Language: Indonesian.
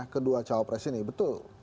kedua cawapres ini betul